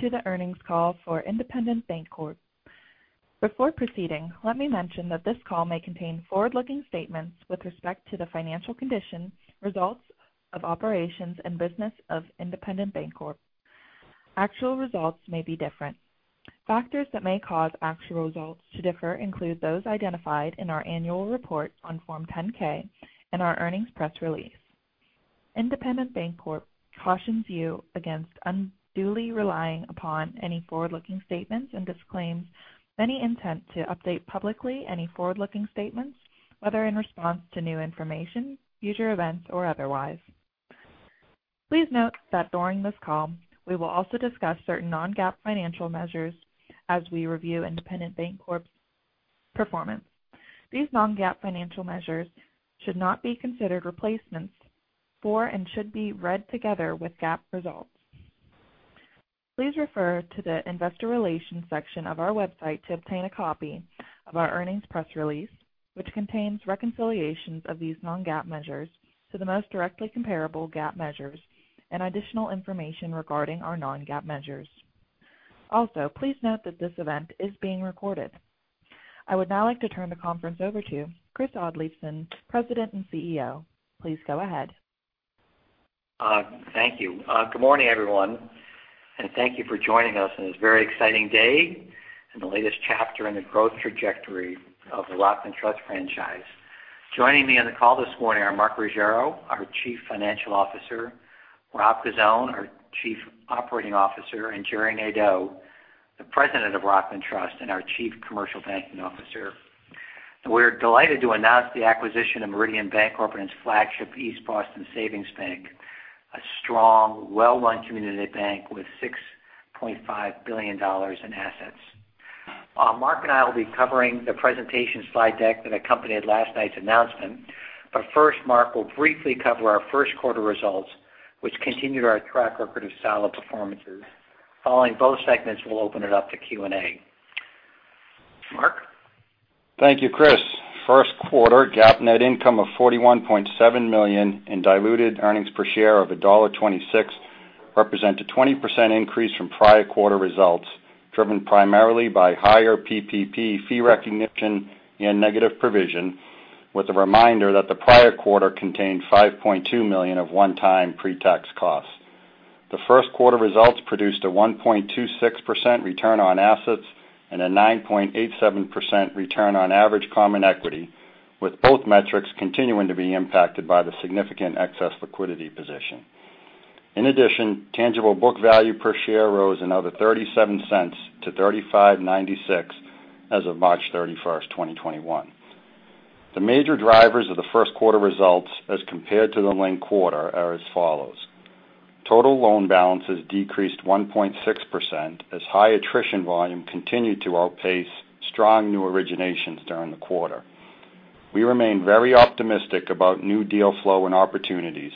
Welcome to the earnings call for Independent Bank Corp. Before proceeding, let me mention that this call may contain forward-looking statements with respect to the financial condition, results of operations, and business of Independent Bank Corp. Actual results may be different. Factors that may cause actual results to differ include those identified in our annual report on Form 10-K and our earnings press release. Independent Bank Corp cautions you against unduly relying upon any forward-looking statements and disclaims any intent to update publicly any forward-looking statements, whether in response to new information, future events, or otherwise. Please note that during this call, we will also discuss certain non-GAAP financial measures as we review Independent Bank Corp's performance. These non-GAAP financial measures should not be considered replacements for and should be read together with GAAP results. Please refer to the investor relations section of our website to obtain a copy of our earnings press release, which contains reconciliations of these non-GAAP measures to the most directly comparable GAAP measures and additional information regarding our non-GAAP measures. Also, please note that this event is being recorded. I would now like to turn the conference over to Christopher Oddleifson, President and CEO. Please go ahead. Thank you. Good morning, everyone, thank you for joining us on this very exciting day in the latest chapter in the growth trajectory of the Rockland Trust franchise. Joining me on the call this morning are Mark Ruggiero, our Chief Financial Officer, Rob Cozzone, our Chief Operating Officer, and Gerry Nadeau, the President of Rockland Trust and our Chief Commercial Banking Officer. We're delighted to announce the acquisition of Meridian Bancorp and its flagship East Boston Savings Bank, a strong, well-run community bank with $6.5 billion in assets. Mark and I will be covering the presentation slide deck that accompanied last night's announcement. First, Mark will briefly cover our first quarter results, which continue our track record of solid performances. Following both segments, we'll open it up to Q&A. Mark? Thank you, Chris. First quarter GAAP net income of $41.7 million in diluted earnings per share of $1.26 represent a 20% increase from prior quarter results, driven primarily by higher PPP fee recognition and negative provision, with a reminder that the prior quarter contained $5.2 million of one-time pre-tax costs. The first quarter results produced a 1.26% return on assets and a 9.87% return on average common equity, with both metrics continuing to be impacted by the significant excess liquidity position. In addition, tangible book value per share rose another $0.37-$35.96 as of March 31st, 2021. The major drivers of the first quarter results as compared to the linked quarter are as follows. Total loan balances decreased 1.6% as high attrition volume continued to outpace strong new originations during the quarter. We remain very optimistic about new deal flow and opportunities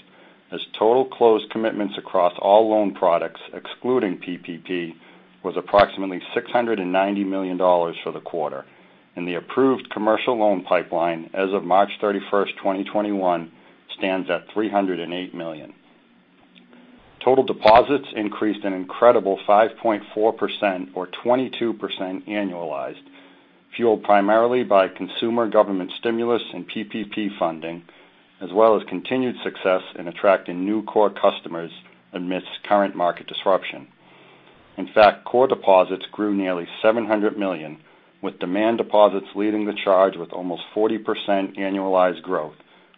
as total closed commitments across all loan products, excluding PPP, was approximately $690 million for the quarter, and the approved commercial loan pipeline as of March 31st, 2021, stands at $308 million. Total deposits increased an incredible 5.4% or 22% annualized, fueled primarily by consumer government stimulus and PPP funding, as well as continued success in attracting new core customers amidst current market disruption. In fact, core deposits grew nearly $700 million, with demand deposits leading the charge with almost 40% annualized growth,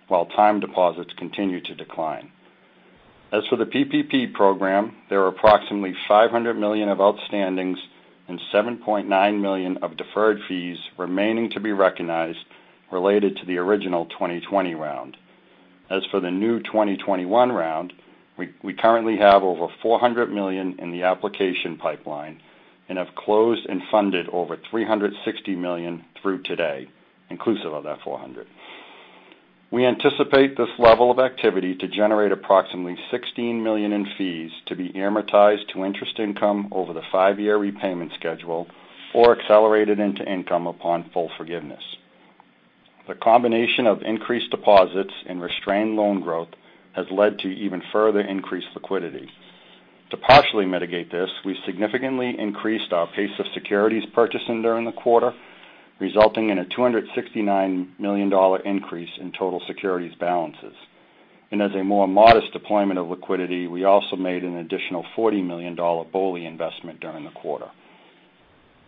while time deposits continued to decline. As for the PPP program, there are approximately $500 million of outstandings and $7.9 million of deferred fees remaining to be recognized related to the original 2020 round. As for the new 2021 round, we currently have over $400 million in the application pipeline and have closed and funded over $360 million through today, inclusive of that $400 million. We anticipate this level of activity to generate approximately $16 million in fees to be amortized to interest income over the five-year repayment schedule or accelerated into income upon full forgiveness. The combination of increased deposits and restrained loan growth has led to even further increased liquidity. To partially mitigate this, we significantly increased our pace of securities purchasing during the quarter, resulting in a $269 million increase in total securities balances. As a more modest deployment of liquidity, we also made an additional $40 million BOLI investment during the quarter.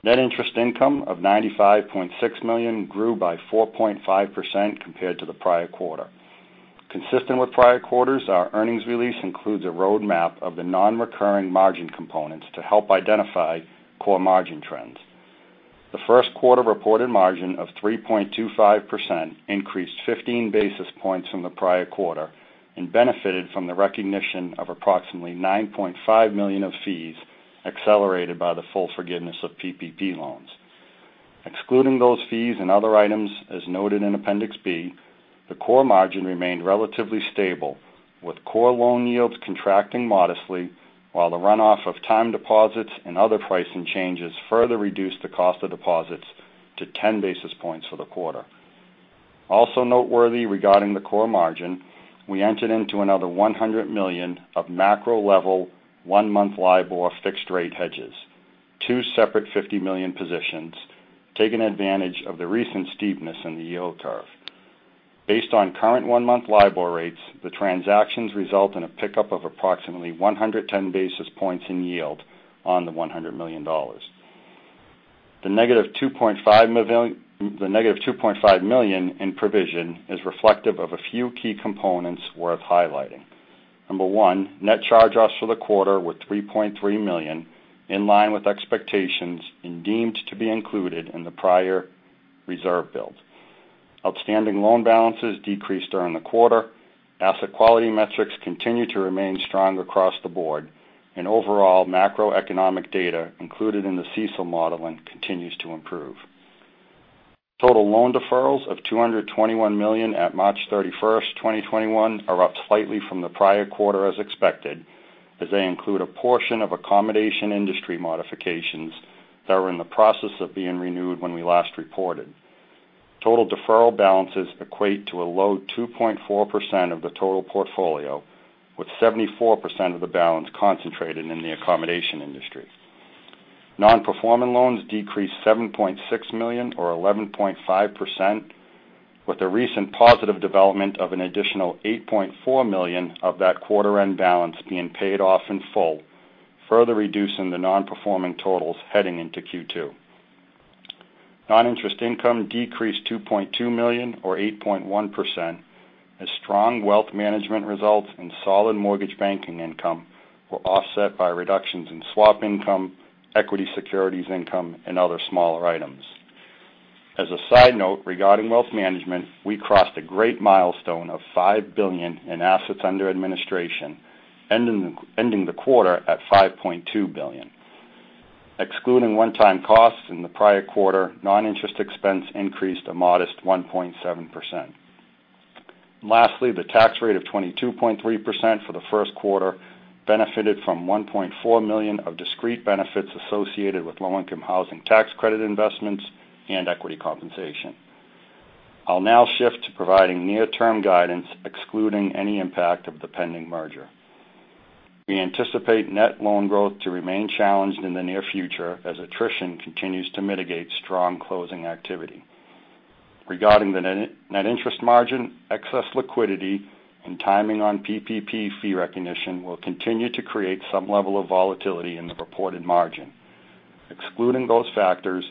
Net interest income of $95.6 million grew by 4.5% compared to the prior quarter. Consistent with prior quarters, our earnings release includes a roadmap of the non-recurring margin components to help identify core margin trends. The first quarter reported margin of 3.25% increased 15 basis points from the prior quarter and benefited from the recognition of approximately $9.5 million of fees accelerated by the full forgiveness of PPP loans. Excluding those fees and other items, as noted in Appendix B, the core margin remained relatively stable, with core loan yields contracting modestly while the runoff of time deposits and other pricing changes further reduced the cost of deposits to ten basis points for the quarter. Noteworthy regarding the core margin, we entered into another $100 million of macro level one-month LIBOR fixed rate hedges, two separate $50 million positions, taking advantage of the recent steepness in the yield curve. Based on current one-month LIBOR rates, the transactions result in a pickup of approximately 110 basis points in yield on the $100 million. The negative $2.5 million in provision is reflective of a few key components worth highlighting. Number one, net charge-offs for the quarter were $3.3 million, in line with expectations and deemed to be included in the prior reserve build. Outstanding loan balances decreased during the quarter. Asset quality metrics continue to remain strong across the board, and overall macroeconomic data included in the CECL modeling continues to improve. Total loan deferrals of $221 million at March 31st, 2021, are up slightly from the prior quarter as expected, as they include a portion of accommodation industry modifications that were in the process of being renewed when we last reported. Total deferral balances equate to a low 2.4% of the total portfolio, with 74% of the balance concentrated in the accommodation industry. Non-performing loans decreased $7.6 million or 11.5%, with the recent positive development of an additional $8.4 million of that quarter-end balance being paid off in full, further reducing the non-performing totals heading into Q2. Non-interest income decreased $2.2 million or 8.1%, as strong wealth management results and solid mortgage banking income were offset by reductions in swap income, equity securities income, and other smaller items. As a side note regarding wealth management, we crossed a great milestone of $5 billion in assets under administration, ending the quarter at $5.2 billion. Excluding one-time costs in the prior quarter, non-interest expense increased a modest 1.7%. Lastly, the tax rate of 22.3% for the first quarter benefited from $1.4 million of discrete benefits associated with low-income housing tax credit investments and equity compensation. I'll now shift to providing near-term guidance excluding any impact of the pending merger. We anticipate net loan growth to remain challenged in the near future as attrition continues to mitigate strong closing activity. Regarding the net interest margin, excess liquidity, and timing on PPP fee recognition will continue to create some level of volatility in the reported margin. Excluding those factors,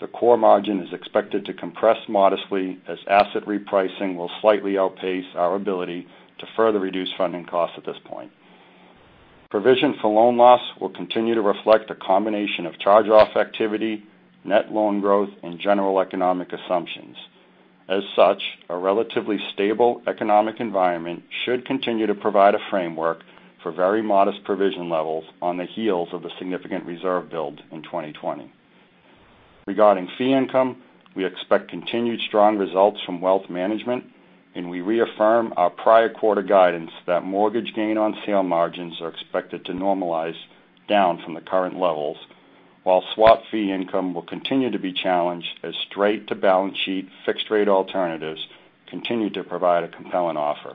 the core margin is expected to compress modestly as asset repricing will slightly outpace our ability to further reduce funding costs at this point. Provision for loan loss will continue to reflect a combination of charge-off activity, net loan growth, and general economic assumptions. As such, a relatively stable economic environment should continue to provide a framework for very modest provision levels on the heels of a significant reserve build in 2020. Regarding fee income, we expect continued strong results from wealth management, and we reaffirm our prior quarter guidance that mortgage gain on sale margins are expected to normalize down from the current levels, while swap fee income will continue to be challenged as straight-to-balance-sheet fixed rate alternatives continue to provide a compelling offer.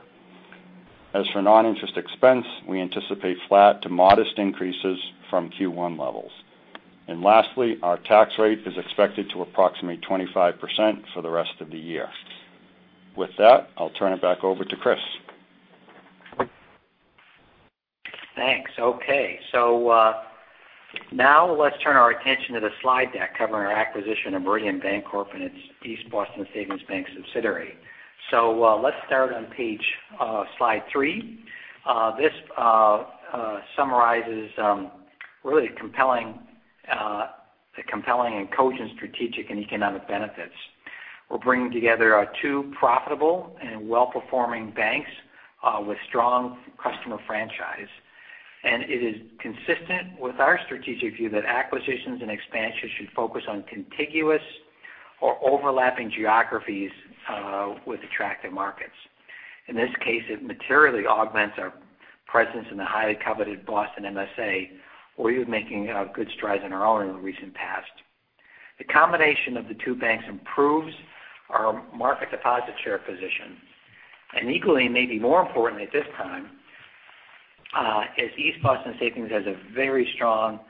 As for non-interest expense, we anticipate flat to modest increases from Q1 levels. Lastly, our tax rate is expected to approximate 25% for the rest of the year. With that, I'll turn it back over to Chris. Thanks. Okay. Now let's turn our attention to the slide deck covering our acquisition of Meridian Bancorp and its East Boston Savings Bank subsidiary. Let's start on slide three. This summarizes the compelling and cogent strategic and economic benefits. We're bringing together our two profitable and well-performing banks with strong customer franchise. It is consistent with our strategic view that acquisitions and expansions should focus on contiguous or overlapping geographies with attractive markets. In this case, it materially augments our presence in the highly coveted Boston MSA. We were making good strides on our own in the recent past. The combination of the two banks improves our market deposit share position. Equally, maybe more importantly at this time, as East Boston Savings has a very strong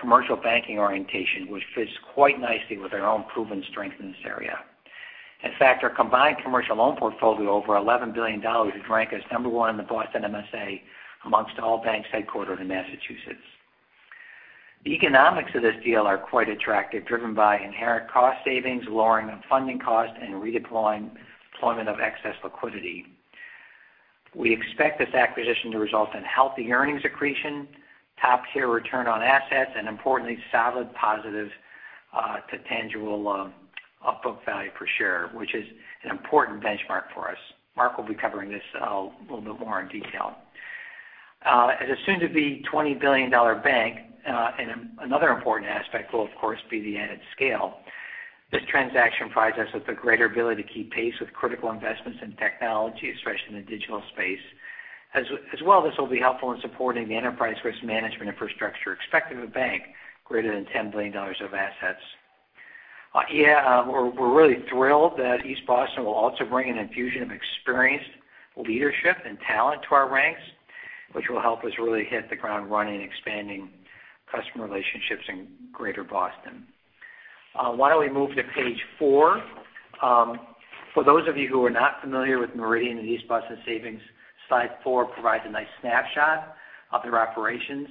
commercial banking orientation, which fits quite nicely with our own proven strength in this area. In fact, our combined commercial loan portfolio over $11 billion is ranked as number one in the Boston MSA amongst all banks headquartered in Massachusetts. The economics of this deal are quite attractive, driven by inherent cost savings, lowering of funding costs, and redeployment of excess liquidity. We expect this acquisition to result in healthy earnings accretion, top-tier return on assets, and importantly, solid positive to tangible upbook value per share, which is an important benchmark for us. Mark will be covering this a little bit more in detail. As a soon-to-be $20 billion bank, another important aspect will, of course, be the added scale. This transaction provides us with a greater ability to keep pace with critical investments in technology, especially in the digital space. As well, this will be helpful in supporting the enterprise risk management infrastructure expected of a bank greater than $10 billion of assets. We're really thrilled that East Boston will also bring an infusion of experienced leadership and talent to our ranks, which will help us really hit the ground running, expanding customer relationships in Greater Boston. Why don't we move to page four? For those of you who are not familiar with Meridian and East Boston Savings, slide four provides a nice snapshot of their operations.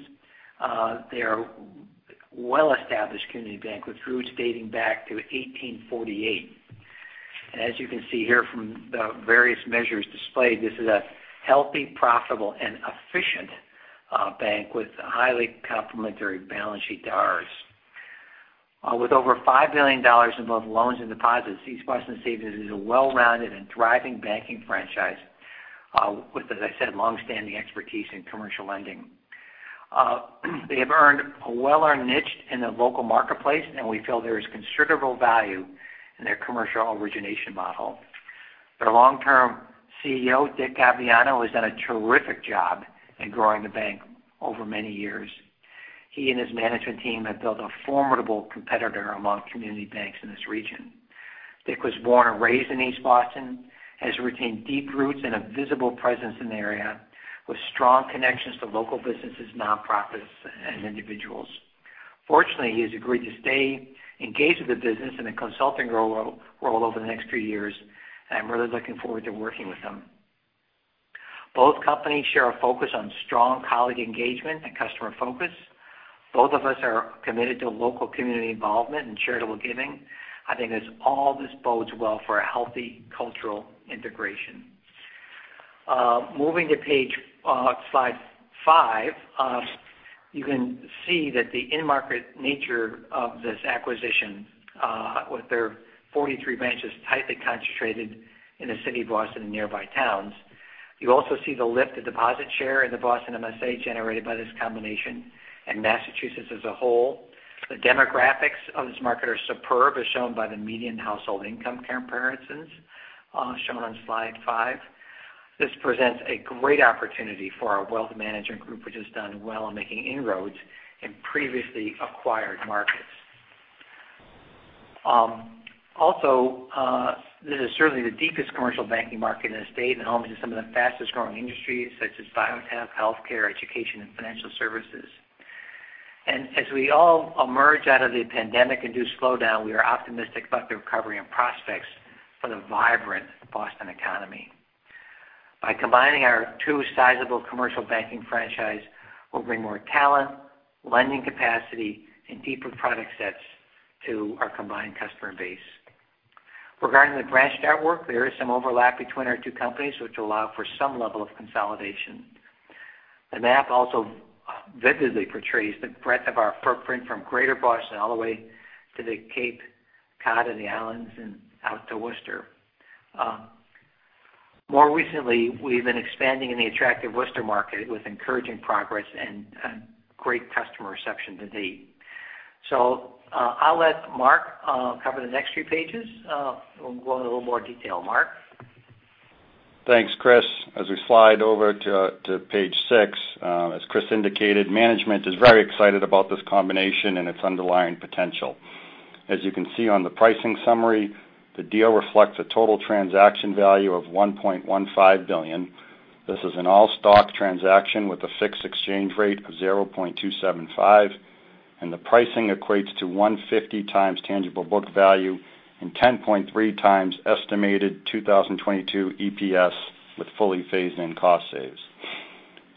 They are a well-established community bank with roots dating back to 1848. As you can see here from the various measures displayed, this is a healthy, profitable, and efficient bank with a highly complementary balance sheet to ours. With over $5 billion in both loans and deposits, East Boston Savings is a well-rounded and thriving banking franchise with, as I said, longstanding expertise in commercial lending. They have earned a well-earned niche in the local marketplace, and we feel there is considerable value in their commercial origination model. Their long-term CEO, Dick Gavegnano, has done a terrific job in growing the bank over many years. He and his management team have built a formidable competitor among community banks in this region. Dick was born and raised in East Boston, has retained deep roots and a visible presence in the area, with strong connections to local businesses, nonprofits, and individuals. Fortunately, he has agreed to stay engaged with the business in a consulting role over the next few years, and I'm really looking forward to working with him. Both companies share a focus on strong colleague engagement and customer focus. Both of us are committed to local community involvement and charitable giving. I think all this bodes well for a healthy cultural integration. Moving to page slide five, you can see that the in-market nature of this acquisition, with their 43 branches tightly concentrated in the city of Boston and nearby towns. You also see the lift of deposit share in the Boston MSA generated by this combination and Massachusetts as a whole. The demographics of this market are superb, as shown by the median household income comparisons shown on slide five. This presents a great opportunity for our wealth management group, which has done well in making inroads in previously acquired markets. Also, this is certainly the deepest commercial banking market in the state and home to some of the fastest-growing industries such as biotech, healthcare, education, and financial services. As we all emerge out of the pandemic-induced slowdown, we are optimistic about the recovery and prospects for the vibrant Boston economy. By combining our two sizable commercial banking franchises, we'll bring more talent, lending capacity, and deeper product sets to our combined customer base. Regarding the branch network, there is some overlap between our two companies, which allows for some level of consolidation. The map also vividly portrays the breadth of our footprint from greater Boston all the way to Cape Cod and the Islands and out to Worcester. More recently, we've been expanding in the attractive Worcester market with encouraging progress and great customer reception to date. I'll let Mark cover the next few pages. We'll go in a little more detail, Mark. Thanks, Chris. As we slide over to page six, as Chris indicated, management is very excited about this combination and its underlying potential. As you can see on the pricing summary, the deal reflects a total transaction value of $1.15 billion. This is an all-stock transaction with a fixed exchange rate of 0.275, and the pricing equates to 150 times tangible book value and 10.3 times estimated 2022 EPS with fully phased-in cost saves.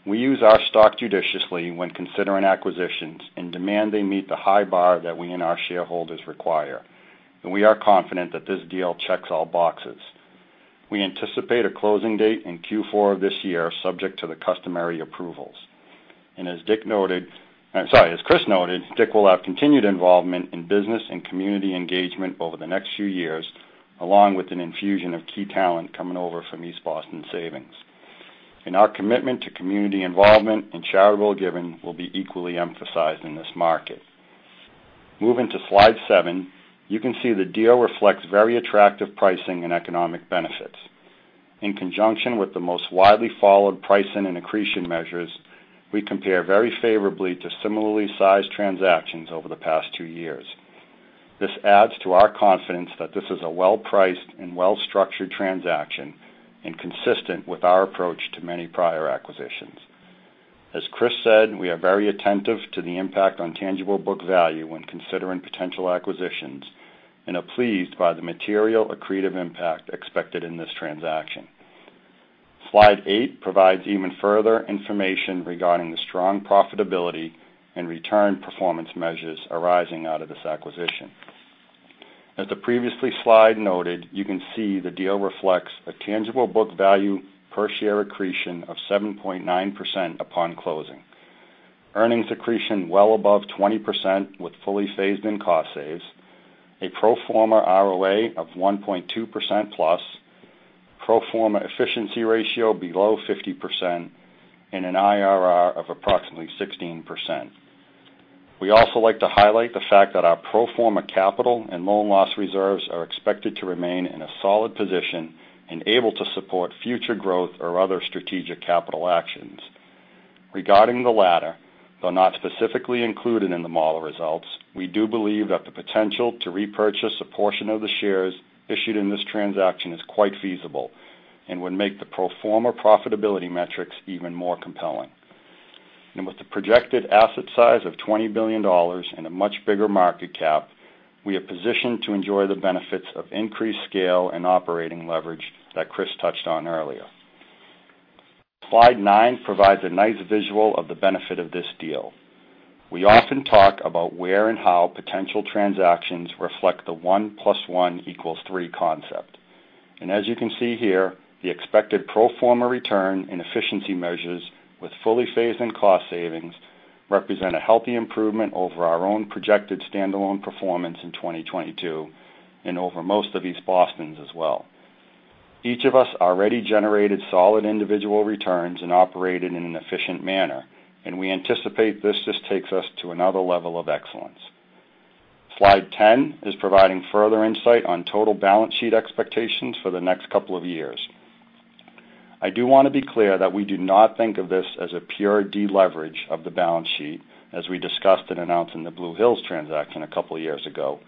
We use our stock judiciously when considering acquisitions and demand they meet the high bar that we and our shareholders require. We are confident that this deal checks all boxes. We anticipate a closing date in Q4 of this year, subject to the customary approvals. As Dick noted, I'm sorry, as Chris noted, Dick will have continued involvement in business and community engagement over the next few years, along with an infusion of key talent coming over from East Boston Savings. Our commitment to community involvement and charitable giving will be equally emphasized in this market. Moving to slide seven, you can see the deal reflects very attractive pricing and economic benefits. In conjunction with the most widely followed pricing and accretion measures, we compare very favorably to similarly sized transactions over the past two years. This adds to our confidence that this is a well-priced and well-structured transaction and consistent with our approach to many prior acquisitions. As Chris said, we are very attentive to the impact on tangible book value when considering potential acquisitions and are pleased by the material accretive impact expected in this transaction. Slide eight provides even further information regarding the strong profitability and return performance measures arising out of this acquisition. As the previous slide noted, you can see the deal reflects a tangible book value per share accretion of 7.9% upon closing. Earnings accretion well above 20% with fully phased in cost saves, a pro forma ROA of 1.2% plus, pro forma efficiency ratio below 50%, and an IRR of approximately 16%. We also like to highlight the fact that our pro forma capital and loan loss reserves are expected to remain in a solid position and able to support future growth or other strategic capital actions. Regarding the latter, though not specifically included in the model results, we do believe that the potential to repurchase a portion of the shares issued in this transaction is quite feasible and would make the pro forma profitability metrics even more compelling. With the projected asset size of $20 billion and a much bigger market cap, we are positioned to enjoy the benefits of increased scale and operating leverage that Chris touched on earlier. Slide nine provides a nice visual of the benefit of this deal. We often talk about where and how potential transactions reflect the one plus one equals three concept. As you can see here, the expected pro forma return and efficiency measures with fully phased-in cost savings represent a healthy improvement over our own projected standalone performance in 2022 and over most of East Boston's as well. Each of us already generated solid individual returns and operated in an efficient manner, and we anticipate this just takes us to another level of excellence. Slide 10 is providing further insight on total balance sheet expectations for the next couple of years. I do want to be clear that we do not think of this as a pure deleverage of the balance sheet, as we discussed and announced in the Blue Hills transaction a couple of years ago.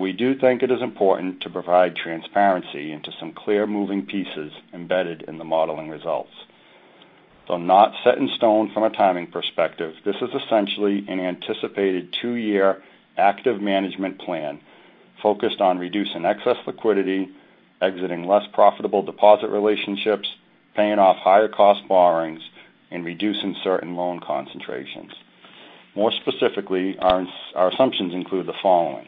We do think it is important to provide transparency into some clear moving pieces embedded in the modeling results. Though not set in stone from a timing perspective, this is essentially an anticipated two-year active management plan focused on reducing excess liquidity, exiting less profitable deposit relationships, paying off higher cost borrowings, and reducing certain loan concentrations. More specifically, our assumptions include the following.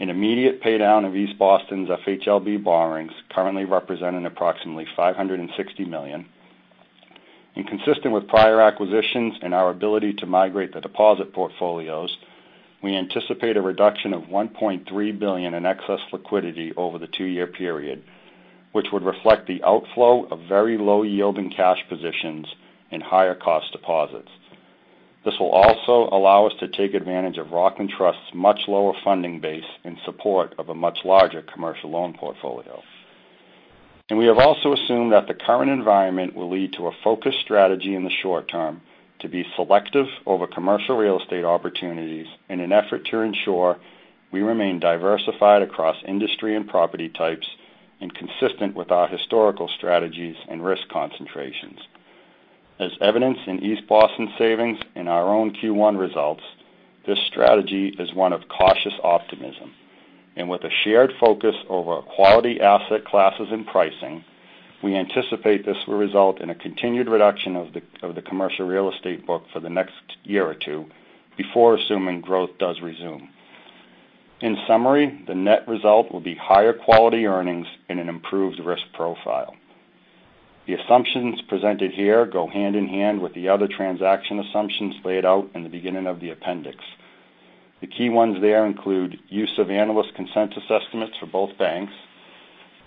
An immediate pay-down of East Boston's FHLB borrowings currently represent an approximately $560 million. Consistent with prior acquisitions and our ability to migrate the deposit portfolios, we anticipate a reduction of $1.3 billion in excess liquidity over the two-year period, which would reflect the outflow of very low yielding cash positions and higher cost deposits. This will also allow us to take advantage of Rockland Trust's much lower funding base in support of a much larger commercial loan portfolio. We have also assumed that the current environment will lead to a focused strategy in the short term to be selective over commercial real estate opportunities in an effort to ensure we remain diversified across industry and property types and consistent with our historical strategies and risk concentrations. As evidenced in East Boston Savings in our own Q1 results, this strategy is one of cautious optimism. With a shared focus over quality asset classes and pricing, we anticipate this will result in a continued reduction of the commercial real estate book for the next year or two before assuming growth does resume. In summary, the net result will be higher quality earnings and an improved risk profile. The assumptions presented here go hand in hand with the other transaction assumptions laid out in the beginning of the appendix. The key ones there include use of analyst consensus estimates for both banks,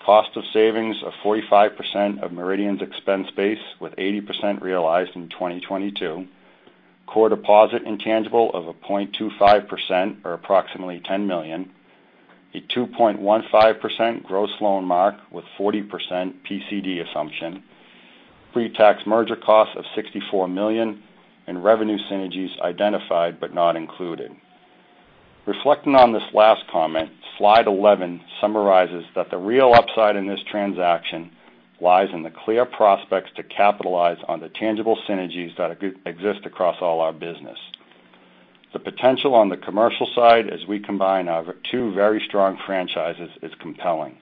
cost of savings of 45% of Meridian's expense base with 80% realized in 2022, core deposit intangible of a 0.25% or approximately $10 million, a 2.15% gross loan mark with 40% PCD assumption, pre-tax merger cost of $64 million, and revenue synergies identified but not included. Reflecting on this last comment, slide 11 summarizes that the real upside in this transaction lies in the clear prospects to capitalize on the tangible synergies that exist across all our business. The potential on the commercial side as we combine our two very strong franchises is compelling.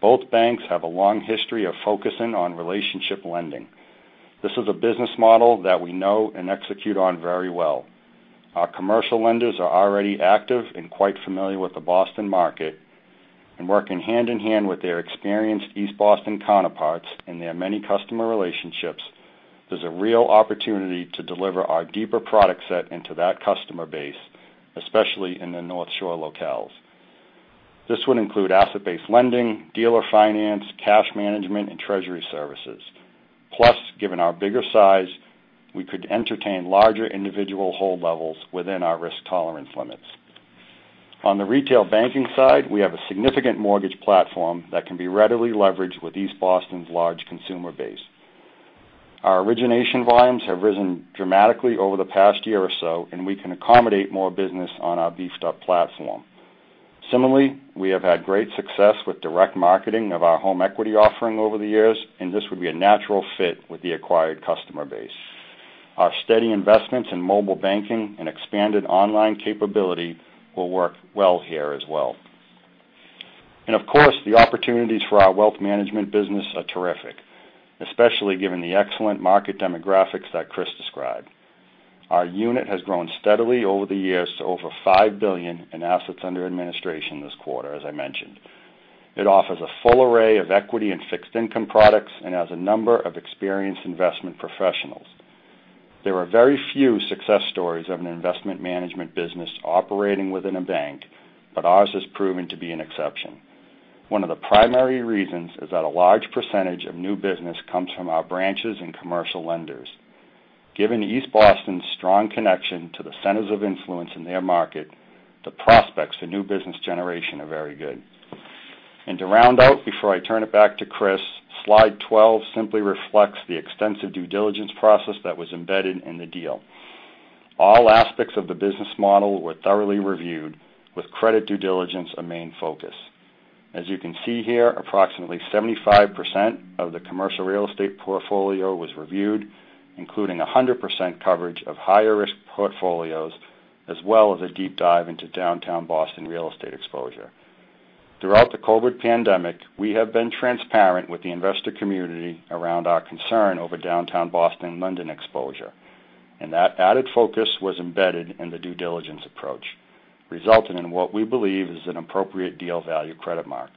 Both banks have a long history of focusing on relationship lending. This is a business model that we know and execute on very well. Our commercial lenders are already active and quite familiar with the Boston market and working hand in hand with their experienced East Boston counterparts and their many customer relationships. There is a real opportunity to deliver our deeper product set into that customer base, especially in the North Shore locales. This would include asset-based lending, dealer finance, cash management, and treasury services. Plus, given our bigger size, we could entertain larger individual hold levels within our risk tolerance limits. On the retail banking side, we have a significant mortgage platform that can be readily leveraged with East Boston's large consumer base. Our origination volumes have risen dramatically over the past year or so, and we can accommodate more business on our beefed-up platform. Similarly, we have had great success with direct marketing of our home equity offering over the years, and this would be a natural fit with the acquired customer base. Our steady investments in mobile banking and expanded online capability will work well here as well. Of course, the opportunities for our wealth management business are terrific, especially given the excellent market demographics that Chris described. Our unit has grown steadily over the years to over $5 billion in assets under administration this quarter, as I mentioned. It offers a full array of equity and fixed income products and has a number of experienced investment professionals. There are very few success stories of an investment management business operating within a bank, but ours has proven to be an exception. One of the primary reasons is that a large percentage of new business comes from our branches and commercial lenders. Given East Boston's strong connection to the centers of influence in their market, the prospects for new business generation are very good. To round out, before I turn it back to Chris, slide 12 simply reflects the extensive due diligence process that was embedded in the deal. All aspects of the business model were thoroughly reviewed, with credit due diligence a main focus. As you can see here, approximately 75% of the commercial real estate portfolio was reviewed, including 100% coverage of higher risk portfolios, as well as a deep dive into downtown Boston real estate exposure. Throughout the COVID pandemic, we have been transparent with the investor community around our concern over downtown Boston and London exposure. That added focus was embedded in the due diligence approach, resulting in what we believe is an appropriate deal value credit mark.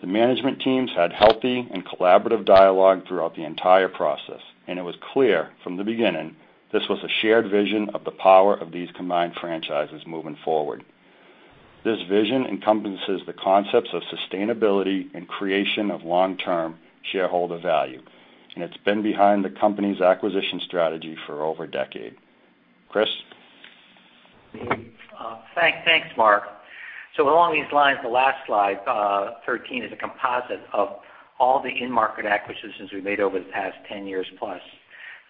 The management teams had healthy and collaborative dialogue throughout the entire process, and it was clear from the beginning this was a shared vision of the power of these combined franchises moving forward. This vision encompasses the concepts of sustainability and creation of long-term shareholder value, and it's been behind the company's acquisition strategy for over a decade. Chris? Thanks, Mark. Along these lines, the last slide 13 is a composite of all the in-market acquisitions we've made over the past 10 years plus.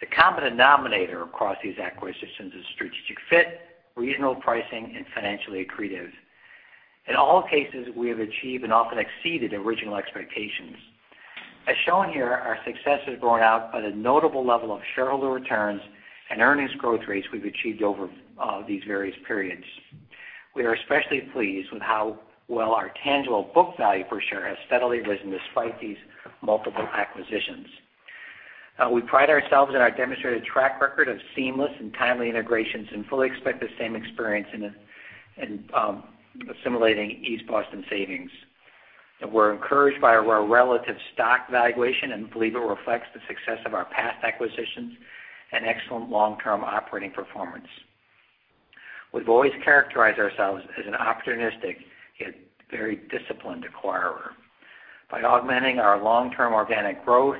The common denominator across these acquisitions is strategic fit, reasonable pricing, and financially accretive. In all cases, we have achieved and often exceeded original expectations. As shown here, our success is borne out by the notable level of shareholder returns and earnings growth rates we've achieved over these various periods. We are especially pleased with how well our tangible book value per share has steadily risen despite these multiple acquisitions. We pride ourselves in our demonstrated track record of seamless and timely integrations and fully expect the same experience in assimilating East Boston Savings. We're encouraged by our relative stock valuation and believe it reflects the success of our past acquisitions and excellent long-term operating performance. We've always characterized ourselves as an opportunistic, yet very disciplined acquirer. By augmenting our long-term organic growth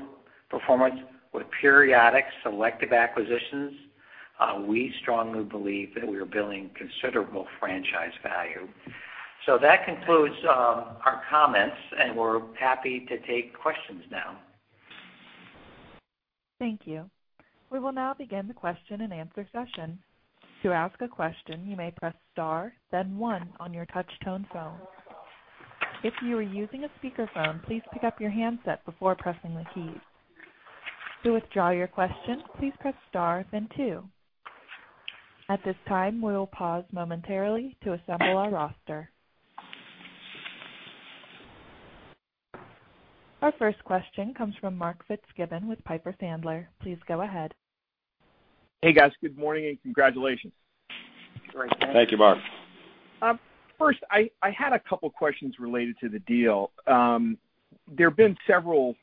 performance with periodic selective acquisitions, we strongly believe that we are building considerable franchise value. That concludes our comments, and we're happy to take questions now. Thank you. We will now begin the question and answer session. To ask a question, you may press star, then one on your touch tone phone. If you are using a speaker phone, please pick up your handset before pressing the keys. To withdraw your question, please press star, then two. At this time, we will pause momentarily to assemble our roster. Our first question comes from Mark Fitzgibbon with Piper Sandler. Please go ahead. Hey, guys. Good morning and congratulations. Thank you, Mark. Thank you, Mark. First, I had a couple questions related to the deal. There have been several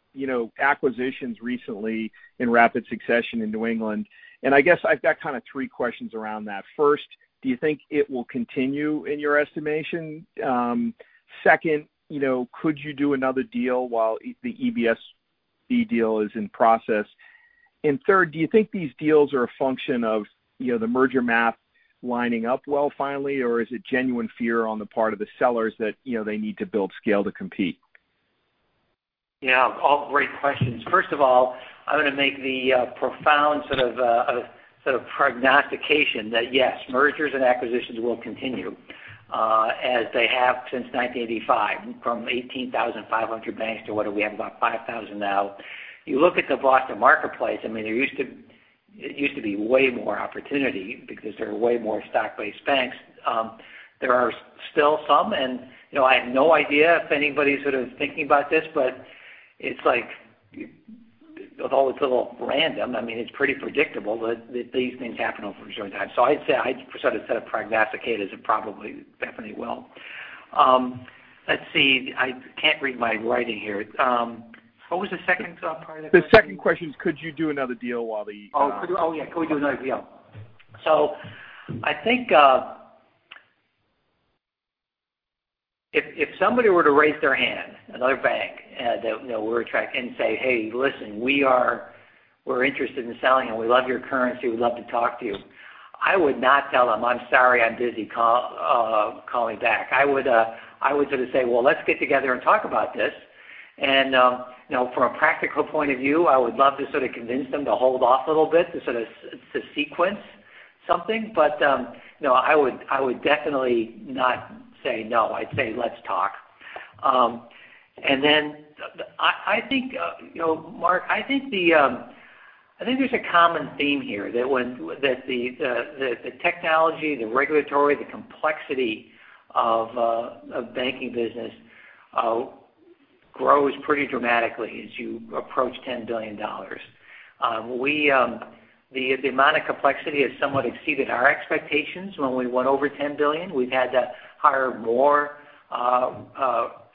acquisitions recently in rapid succession in New England. I guess I've got kind of three questions around that. First, do you think it will continue in your estimation? Second, could you do another deal while the EBSB deal is in process? Third, do you think these deals are a function of the merger math lining up well finally, or is it genuine fear on the part of the sellers that they need to build scale to compete? Yeah, all great questions. First of all, I'm going to make the profound sort of prognostication that, yes, mergers and acquisitions will continue as they have since 1985, from 18,500 banks to what do we have, about 5,000 now. You look at the Boston marketplace, it used to be way more opportunity because there were way more stock-based banks. There are still some, and I have no idea if anybody's sort of thinking about this, but with all it's a little random. It's pretty predictable that these things happen over a certain time. I'd say I sort of prognosticate as it probably definitely will. Let's see. I can't read my writing here. What was the second part of that question? The second question is, could you do another deal while. Oh, yeah. Could we do another deal? I think if somebody were to raise their hand, another bank that we're attracting and say, "Hey, listen, we're interested in selling and we love your currency, we'd love to talk to you," I would not tell them, "I'm sorry, I'm busy. Call me back." I would say, "Well, let's get together and talk about this." From a practical point of view, I would love to sort of convince them to hold off a little bit to sequence something. I would definitely not say no. I'd say let's talk. Mark, I think there's a common theme here. That the technology, the regulatory, the complexity of banking business grows pretty dramatically as you approach $10 billion. The amount of complexity has somewhat exceeded our expectations when we went over $10 billion. We've had to hire more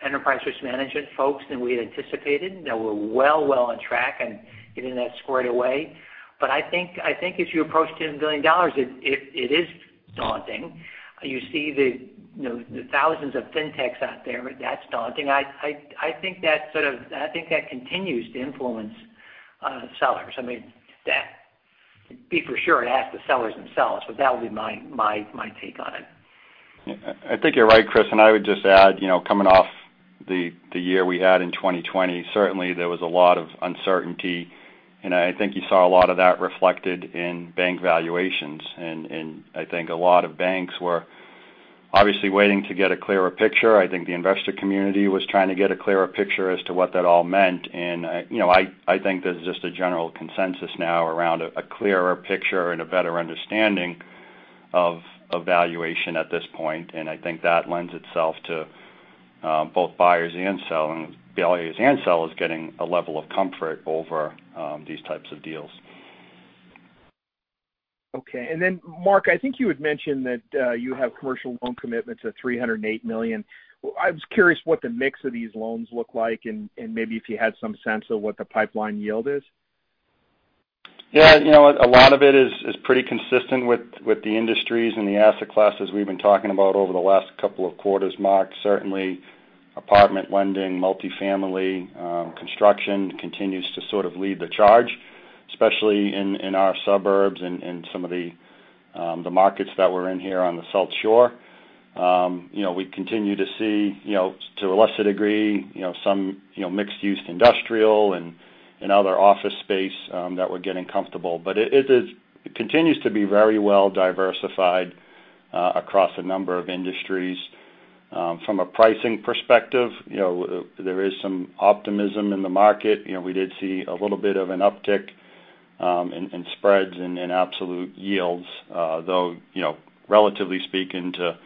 enterprise risk management folks than we had anticipated. We're well on track on getting that squared away. I think as you approach $10 billion, it is daunting. You see the thousands of fintechs out there, that's daunting. I think that continues to influence sellers. Be for sure, it has the sellers themselves, that would be my take on it. I think you're right, Chris, and I would just add, coming off the year we had in 2020, certainly there was a lot of uncertainty, and I think you saw a lot of that reflected in bank valuations. I think a lot of banks were obviously waiting to get a clearer picture. I think the investor community was trying to get a clearer picture as to what that all meant. I think there's just a general consensus now around a clearer picture and a better understanding of valuation at this point, and I think that lends itself to both buyers and sellers getting a level of comfort over these types of deals. Okay. Mark, I think you had mentioned that you have commercial loan commitments of $308 million. I was curious what the mix of these loans look like, and maybe if you had some sense of what the pipeline yield is. Yeah. A lot of it is pretty consistent with the industries and the asset classes we've been talking about over the last couple of quarters, Mark. Certainly apartment lending, multifamily, construction continues to sort of lead the charge, especially in our suburbs and some of the markets that we're in here on the South Shore. We continue to see, to a lesser degree, some mixed-use industrial and other office space that we're getting comfortable. It continues to be very well diversified across a number of industries. From a pricing perspective, there is some optimism in the market. We did see a little bit of an uptick in spreads and in absolute yields. Relatively speaking to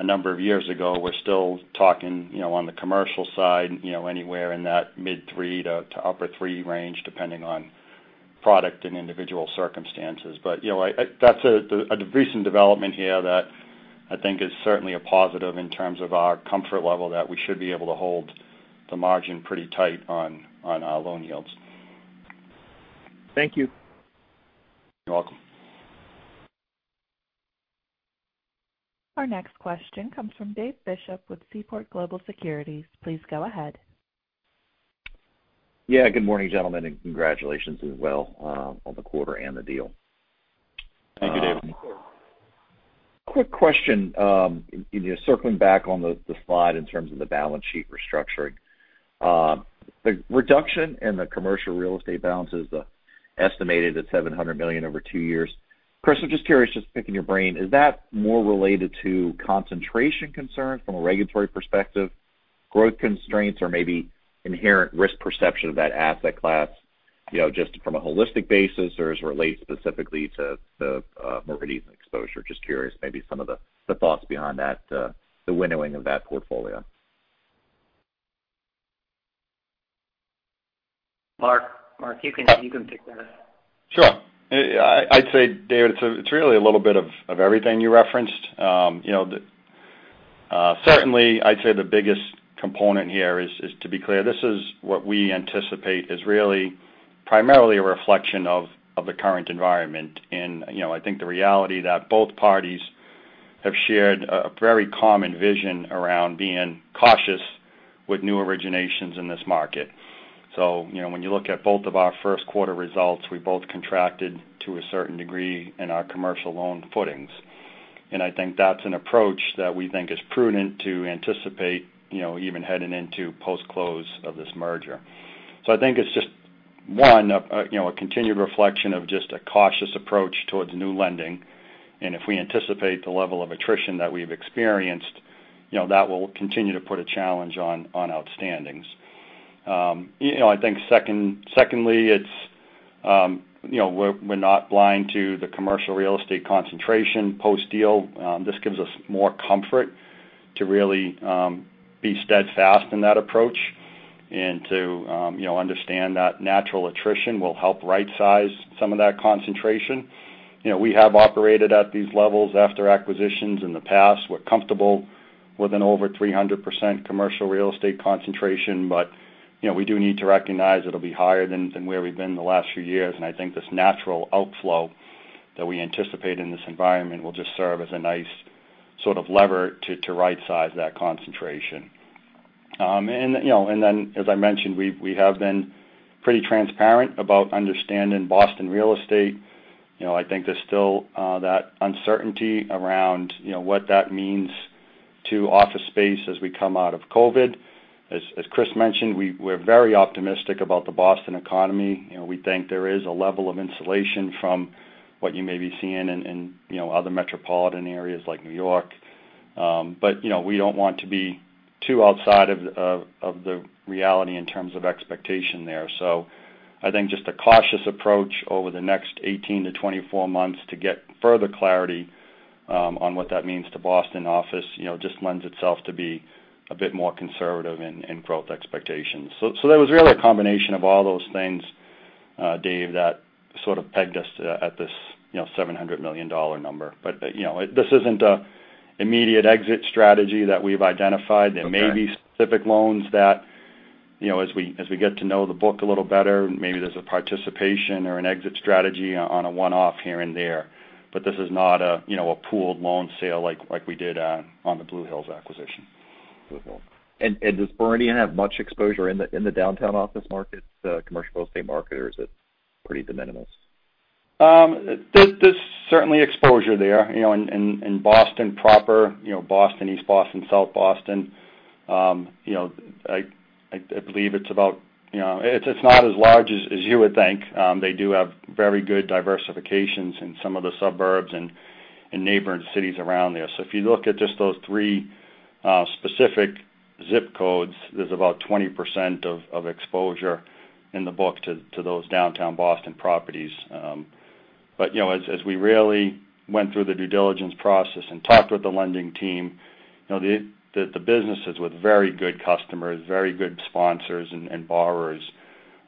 a number of years ago, we're still talking on the commercial side, anywhere in that mid-three to upper three range, depending on product and individual circumstances. That's a recent development here that I think is certainly a positive in terms of our comfort level that we should be able to hold the margin pretty tight on our loan yields. Thank you. You're welcome. Our next question comes from Dave Bishop with Seaport Global Securities. Please go ahead. Good morning, gentlemen, and congratulations as well on the quarter and the deal. Thank you, Dave. Quick question. Circling back on the slide in terms of the balance sheet restructuring. The reduction in the commercial real estate balances estimated at $700 million over two years. Chris, I'm just curious, just picking your brain, is that more related to concentration concerns from a regulatory perspective, growth constraints, or maybe inherent risk perception of that asset class, just from a holistic basis, or as it relates specifically to mortgage exposure? Just curious, maybe some of the thoughts behind that, the winnowing of that portfolio. Mark, you can take that. Sure. I'd say, Dave, it's really a little bit of everything you referenced. Certainly, I'd say the biggest component here is to be clear, this is what we anticipate is really primarily a reflection of the current environment. I think the reality that both parties have shared a very common vision around being cautious with new originations in this market. When you look at both of our first quarter results, we both contracted to a certain degree in our commercial loan footings. I think that's an approach that we think is prudent to anticipate, even heading into post-close of this merger. I think it's just one, a continued reflection of just a cautious approach towards new lending, and if we anticipate the level of attrition that we've experienced, that will continue to put a challenge on outstandings. I think secondly, we're not blind to the commercial real estate concentration post-deal. This gives us more comfort to really be steadfast in that approach and to understand that natural attrition will help rightsize some of that concentration. We have operated at these levels after acquisitions in the past. We're comfortable with an over 300% commercial real estate concentration, but we do need to recognize it'll be higher than where we've been the last few years. I think this natural outflow that we anticipate in this environment will just serve as a nice sort of lever to rightsize that concentration. As I mentioned, we have been pretty transparent about understanding Boston real estate. I think there's still that uncertainty around what that means to office space as we come out of COVID. As Chris mentioned, we're very optimistic about the Boston economy. We think there is a level of insulation from what you may be seeing in other metropolitan areas like New York. We don't want to be too outside of the reality in terms of expectation there. I think just a cautious approach over the next 18 to 24 months to get further clarity on what that means to Boston office, just lends itself to be a bit more conservative in growth expectations. That was really a combination of all those things, Dave, that sort of pegged us at this $700 million number. This isn't an immediate exit strategy that we've identified, and maybe, specific loans that- Okay. As we get to know the book a little better, maybe there's a participation or an exit strategy on a one-off here and there. This is not a pooled loan sale like we did on the Blue Hills acquisition. Does Meridian have much exposure in the downtown office market, commercial real estate market, or is it pretty de minimis? There's certainly exposure there. In Boston proper, Boston, East Boston, South Boston, I believe it's not as large as you would think. They do have very good diversifications in some of the suburbs and neighboring cities around there. If you look at just those three specific zip codes, there's about 20% of exposure in the book to those downtown Boston properties. As we really went through the due diligence process and talked with the lending team, the businesses with very good customers, very good sponsors and borrowers,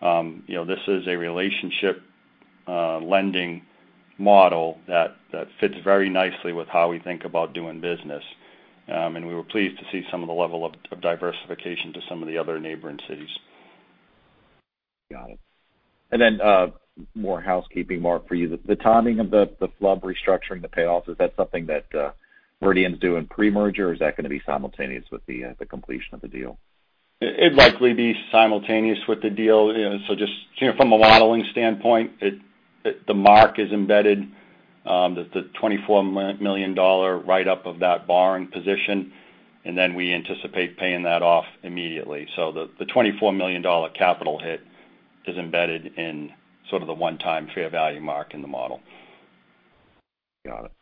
this is a relationship lending model that fits very nicely with how we think about doing business. We were pleased to see some of the level of diversification to some of the other neighboring cities. Got it. More housekeeping, Mark, for you. The timing of the FHLB restructuring, the payoff, is that something that Meridian's doing pre-merger or is that going to be simultaneous with the completion of the deal? It'd likely be simultaneous with the deal. Just from a modeling standpoint, the mark is embedded, the $24 million write-up of that borrowing position, and then we anticipate paying that off immediately. The $24 million capital hit is embedded in sort of the one-time fair value mark in the model. Got it.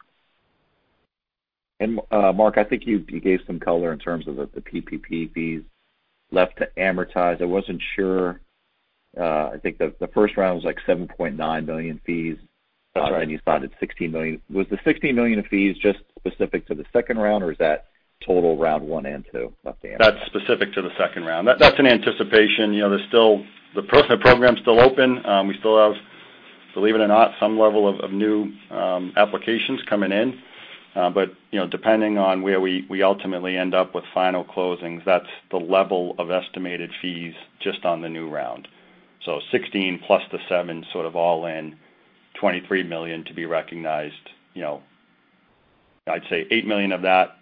Mark, I think you gave some color in terms of the PPP fees left to amortize. I wasn't sure. I think the first round was like $7.9 million fees. That's right. You spotted $16 million. Was the $16 million of fees just specific to the second round, or is that total round one and two left to amortize? That's specific to the second round. That's an anticipation. The program's still open. We still have, believe it or not, some level of new applications coming in. Depending on where we ultimately end up with final closings, that's the level of estimated fees just on the new round. 16 plus the seven sort of all in, $23 million to be recognized. I'd say $8 million of that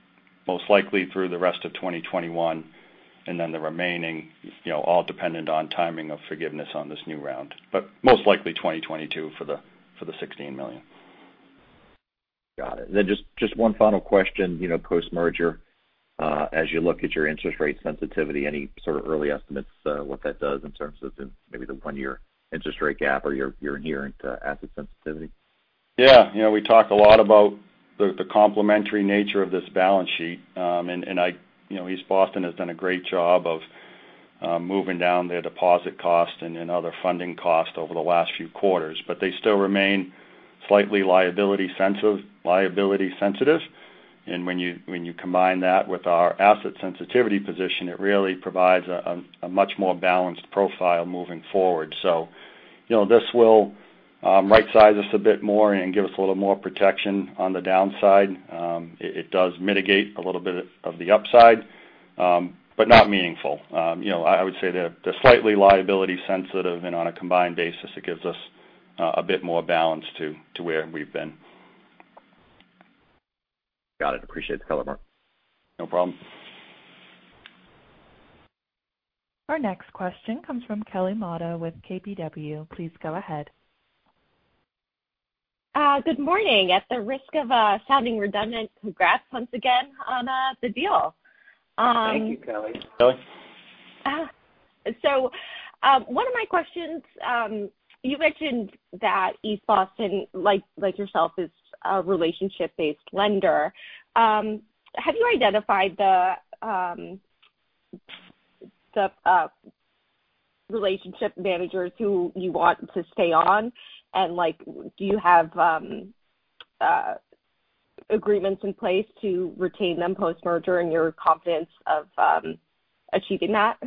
most likely through the rest of 2021, the remaining all dependent on timing of forgiveness on this new round. Most likely 2022 for the $16 million. Got it. Just one final question post-merger. As you look at your interest rate sensitivity, any sort of early estimates what that does in terms of maybe the one-year interest rate gap or your inherent asset sensitivity? Yeah. We talk a lot about the complementary nature of this balance sheet. East Boston has done a great job of moving down their deposit cost and other funding costs over the last few quarters. They still remain slightly liability sensitive. When you combine that with our asset sensitivity position, it really provides a much more balanced profile moving forward. This will rightsize us a bit more and give us a little more protection on the downside. It does mitigate a little bit of the upside but not meaningful. I would say they're slightly liability sensitive, and on a combined basis, it gives us a bit more balance to where we've been. Got it. Appreciate the color, Mark. No problem. Our next question comes from Kelly Motta with KBW. Please go ahead. Good morning. At the risk of sounding redundant, congrats once again on the deal. Thank you, Kelly. Kelly. One of my questions, you mentioned that East Boston, like yourself, is a relationship-based lender. Have you identified the relationship managers who you want to stay on, and do you have agreements in place to retain them post-merger and your confidence of achieving that?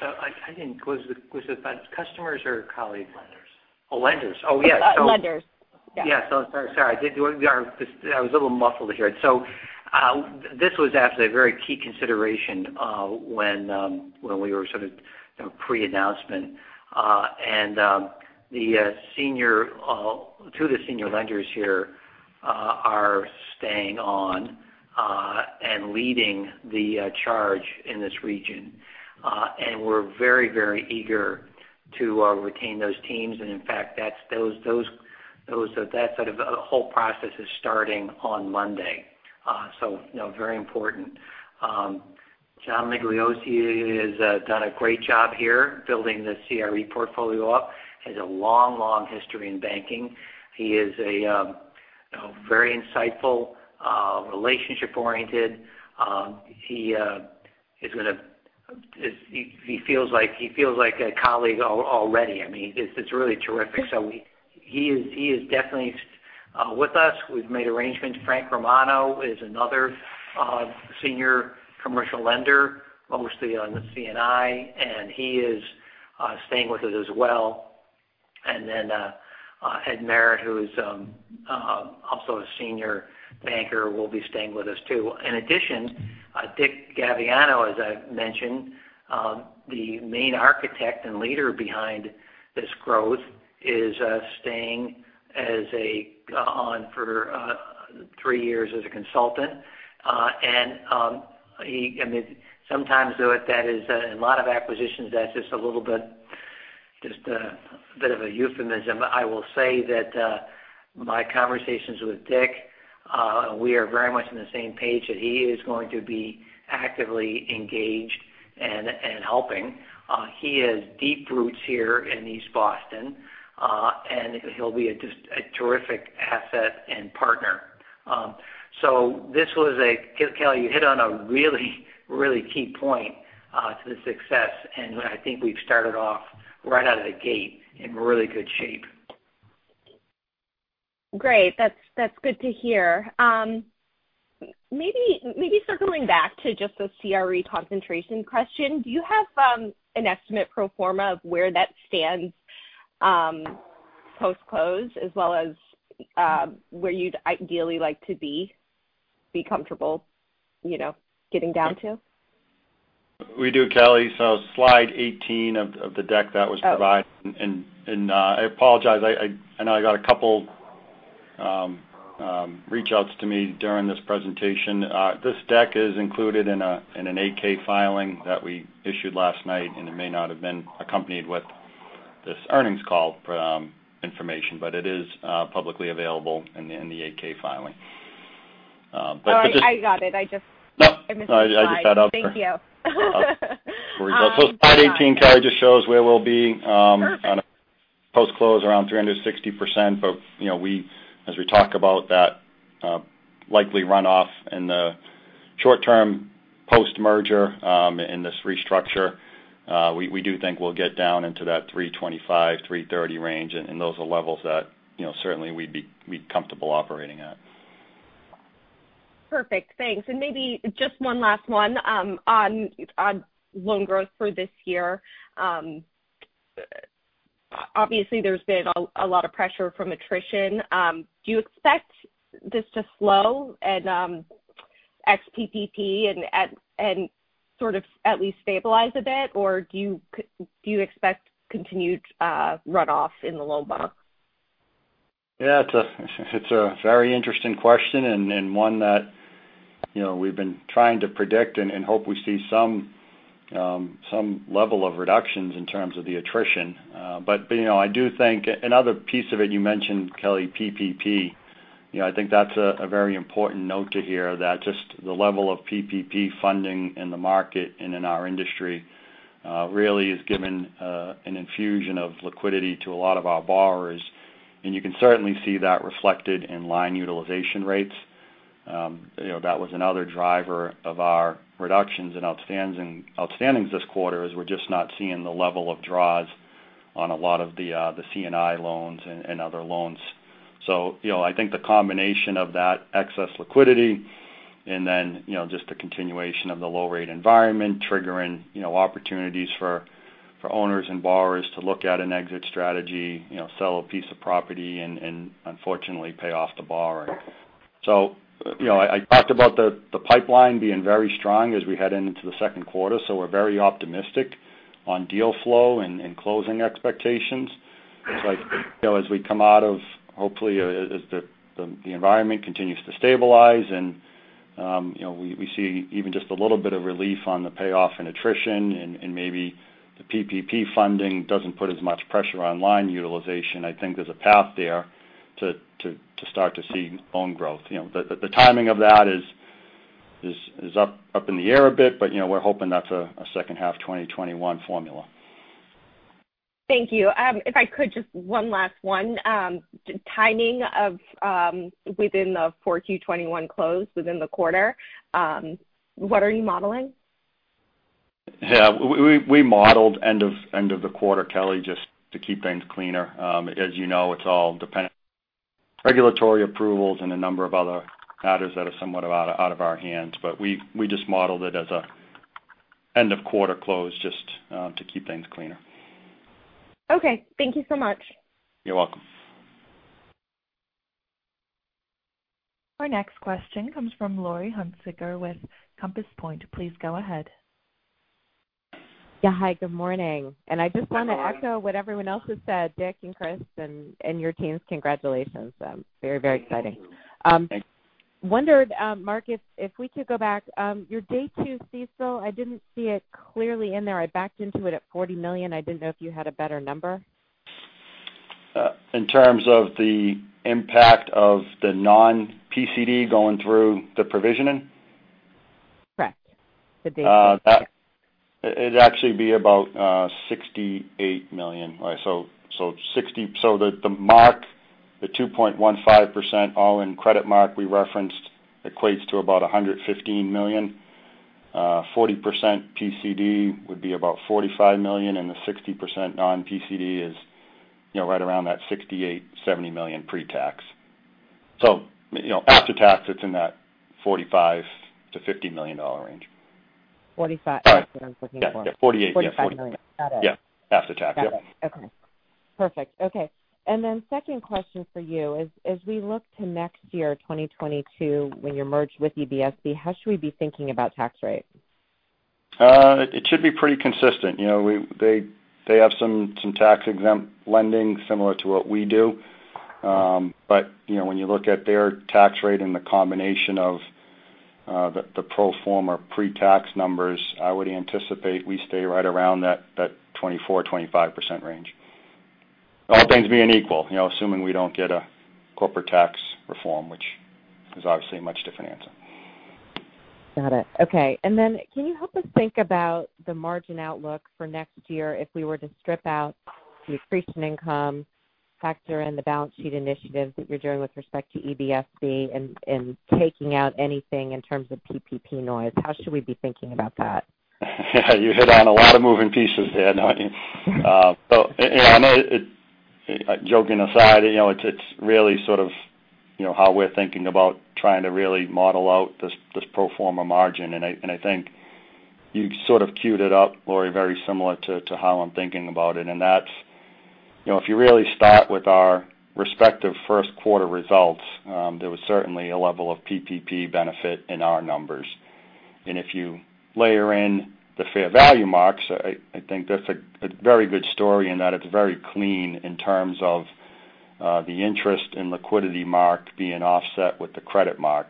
I didn't. Was it customers or colleague lenders? Oh, lenders. Oh, yeah. Lenders. Yeah. Yeah. Sorry. I was a little muffled here. This was actually a very key consideration when we were sort of pre-announcement. Two of the senior lenders here are staying on and leading the charge in this region. We're very eager to retain those teams. In fact, that whole process is starting on Monday. Very important. John Migliozzi has done a great job here building the CRE portfolio up. Has a long history in banking. He is very insightful, relationship-oriented. He feels like a colleague already. I mean, it's really terrific. He is definitely with us. We've made arrangements. Frank Romano is another senior commercial lender, mostly on the C&I, and he is staying with us as well. Ed Merritt, who is also a senior banker, will be staying with us too. In addition, Richard Gavegnano, as I've mentioned, the main architect and leader behind this growth, is staying on for three years as a consultant. Sometimes in a lot of acquisitions, that's just a little bit of a euphemism. I will say that my conversations with Dick, we are very much on the same page that he is going to be actively engaged and helping. He has deep roots here in East Boston, and he'll be a terrific asset and partner. This was Kelly, you hit on a really key point to the success, and I think we've started off right out of the gate in really good shape. Great. That's good to hear. Circling back to just the CRE concentration question, do you have an estimate pro forma of where that stands post-close, as well as where you'd ideally like to be comfortable getting down to? We do, Kelly. Slide 18 of the deck that was provided. Oh. I apologize, I know I got a couple reach outs to me during this presentation. This deck is included in an 8-K filing that we issued last night. It may not have been accompanied with this earnings call information. It is publicly available in the 8-K filing. Oh, I got it. No. I missed the slide. No, I just thought I'd offer. Thank you. Slide 18, Kelly, just shows. Perfect. On post-close, around 360%. As we talk about that likely runoff in the short term post-merger in this restructure, we do think we'll get down into that 325%-330% range, and those are levels that certainly we'd be comfortable operating at. Perfect. Thanks. Maybe just one last one on loan growth for this year. Obviously, there's been a lot of pressure from attrition. Do you expect this to slow and ex PPP and sort of at least stabilize a bit, or do you expect continued runoff in the loan book? Yeah. It's a very interesting question and one that we've been trying to predict and hope we see some level of reductions in terms of the attrition. I do think another piece of it you mentioned, Kelly, PPP, I think that's a very important note to hear, that just the level of PPP funding in the market and in our industry really has given an infusion of liquidity to a lot of our borrowers. You can certainly see that reflected in line utilization rates. That was another driver of our reductions in outstandings this quarter, is we're just not seeing the level of draws on a lot of the C&I loans and other loans. I think the combination of that excess liquidity and then just the continuation of the low rate environment triggering opportunities for owners and borrowers to look at an exit strategy, sell a piece of property and unfortunately pay off the borrower. I talked about the pipeline being very strong as we head into the second quarter, so we're very optimistic on deal flow and closing expectations. As we come out of, hopefully, as the environment continues to stabilize and we see even just a little bit of relief on the payoff and attrition and maybe the PPP funding doesn't put as much pressure on line utilization, I think there's a path there to start to see loan growth. The timing of that is up in the air a bit, but we're hoping that's a second half 2021 formula. Thank you. If I could, just one last one. Timing within the 4Q21 close within the quarter. What are you modeling? Yeah. We modeled end of the quarter, Kelly, just to keep things cleaner. As you know, it's all dependent on regulatory approvals and a number of other matters that are somewhat out of our hands. We just modeled it as an end of quarter close just to keep things cleaner. Okay. Thank you so much. You're welcome. Our next question comes from Laurie Hunsicker with Compass Point. Please go ahead. Yeah. Hi, good morning. Good morning. I just want to echo what everyone else has said, Dick and Chris and your teams. Congratulations. Very exciting. Thank you. Wondered, Mark, if we could go back. Your Day two CECL, I didn't see it clearly in there. I backed into it at $40 million. I didn't know if you had a better number. In terms of the impact of the non-PCD going through the provision? Correct. The Day two. It'd actually be about $68 million. The mark, the 2.15% all-in credit mark we referenced equates to about $115 million. 40% PCD would be about $45 million, and the 60% non-PCD is right around that $68 million, $70 million pre-tax. After tax, it's in that $45 million-$50 million range. $45- Oh That's what I'm looking for. Yeah. $48. $45 million. Got it. Yeah. After tax. Yep. Got it. Okay. Perfect. Okay. Second question for you is, as we look to next year, 2022, when you're merged with EBSB, how should we be thinking about tax rate? It should be pretty consistent. They have some tax-exempt lending similar to what we do. When you look at their tax rate and the combination of the pro forma pre-tax numbers, I would anticipate we stay right around that 24%-25% range. All things being equal, assuming we don't get a corporate tax reform, which is obviously a much different answer. Got it. Okay. Can you help us think about the margin outlook for next year if we were to strip out the accretion income factor and the balance sheet initiatives that you're doing with respect to EBSB and taking out anything in terms of PPP noise? How should we be thinking about that? Yeah, you hit on a lot of moving pieces there, don't you? Joking aside, it's really sort of how we're thinking about trying to really model out this pro forma margin. I think you sort of cued it up, Laurie Hunsicker, very similar to how I'm thinking about it. If you really start with our respective first quarter results, there was certainly a level of PPP benefit in our numbers. If you layer in the fair value marks, I think that's a very good story in that it's very clean in terms of the interest in liquidity mark being offset with the credit mark.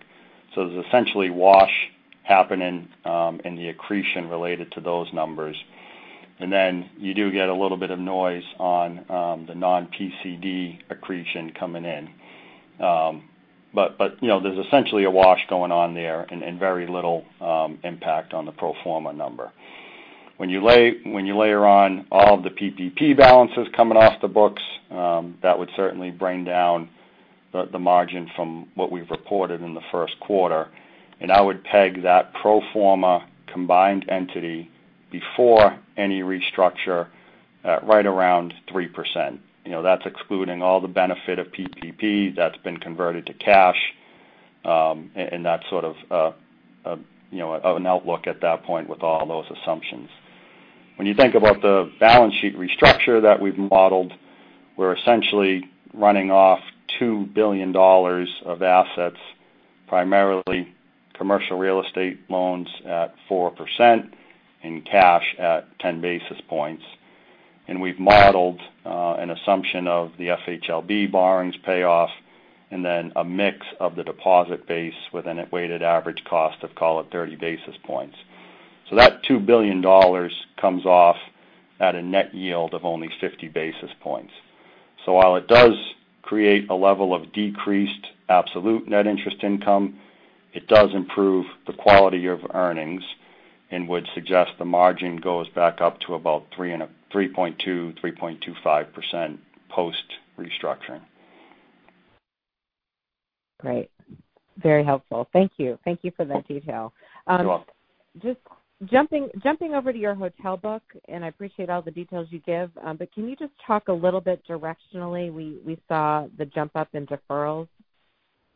There's essentially wash happening in the accretion related to those numbers. You do get a little bit of noise on the non-PCD accretion coming in. There's essentially a wash going on there and very little impact on the pro forma number. When you layer on all of the PPP balances coming off the books, that would certainly bring down the margin from what we've reported in the first quarter. I would peg that pro forma combined entity before any restructure at right around 3%. That's excluding all the benefit of PPP that's been converted to cash, and that sort of an outlook at that point with all those assumptions. When you think about the balance sheet restructure that we've modeled, we're essentially running off $2 billion of assets, primarily commercial real estate loans at 4% and cash at 10 basis points. We've modeled an assumption of the FHLB borrowings payoff and then a mix of the deposit base with an weighted average cost of call it 30 basis points. That $2 billion comes off at a net yield of only 50 basis points. While it does create a level of decreased absolute net interest income, it does improve the quality of earnings and would suggest the margin goes back up to about 3.2%, 3.25% post-restructuring. Great. Very helpful. Thank you. Thank you for that detail. You're welcome. Just jumping over to your hotel book, and I appreciate all the details you give, but can you just talk a little bit directionally? We saw the jump up in deferrals.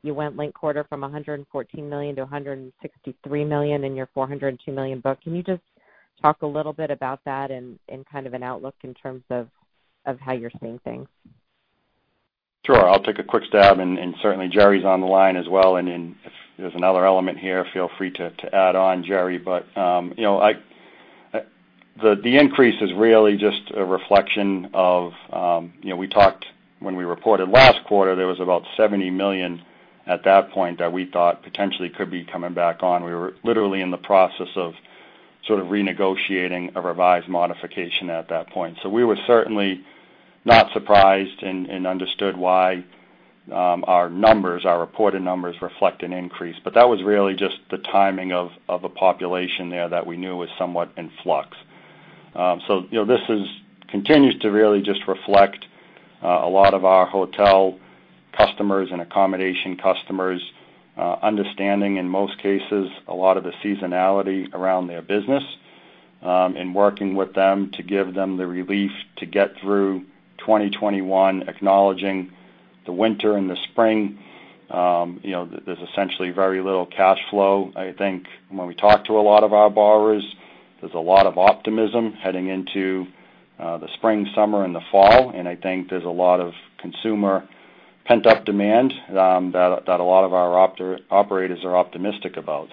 You went linked quarter from $114 million-$163 million in your $402 million book. Can you just talk a little bit about that in kind of an outlook in terms of how you're seeing things? Sure. I'll take a quick stab and certainly Gerry's on the line as well, and if there's another element here, feel free to add on, Gerry. The increase is really just a reflection. We talked when we reported last quarter, there was about $70 million at that point that we thought potentially could be coming back on. We were literally in the process of sort of renegotiating a revised modification at that point. We were certainly not surprised and understood why our reported numbers reflect an increase. That was really just the timing of a population there that we knew was somewhat in flux. This continues to really just reflect a lot of our hotel customers and accommodation customers understanding, in most cases, a lot of the seasonality around their business, and working with them to give them the relief to get through 2021, acknowledging the winter and the spring. There's essentially very little cash flow. When we talk to a lot of our borrowers, there's a lot of optimism heading into the spring, summer, and the fall, and I think there's a lot of consumer pent-up demand that a lot of our operators are optimistic about.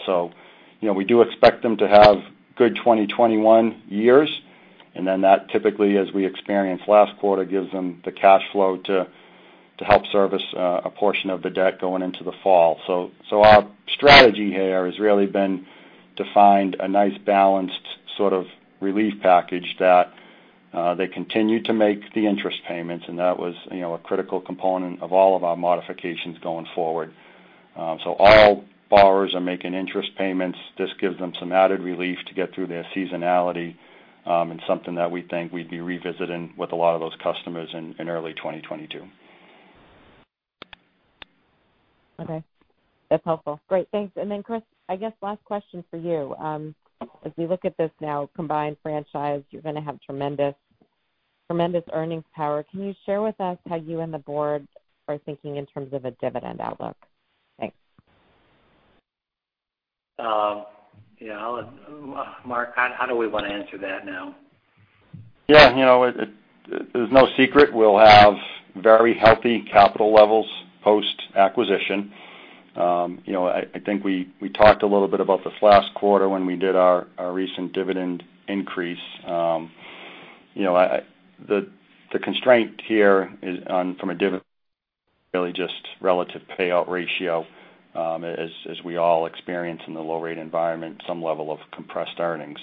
We do expect them to have good 2021 years, and then that typically, as we experienced last quarter, gives them the cash flow to help service a portion of the debt going into the fall. Our strategy here has really been to find a nice balanced sort of relief package that they continue to make the interest payments, and that was a critical component of all of our modifications going forward. All borrowers are making interest payments. This gives them some added relief to get through their seasonality. It's something that we think we'd be revisiting with a lot of those customers in early 2022. Okay. That's helpful. Great. Thanks. Then Chris, I guess last question for you. As we look at this now combined franchise, you're going to have tremendous earnings power. Can you share with us how you and the board are thinking in terms of a dividend outlook? Thanks. Mark, how do we want to answer that now? Yeah. It is no secret we'll have very healthy capital levels post-acquisition. I think we talked a little bit about this last quarter when we did our recent dividend increase. The constraint here is on from a dividend, really just relative payout ratio, as we all experience in the low-rate environment, some level of compressed earnings.